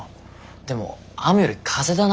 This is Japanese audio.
でも雨より風だな。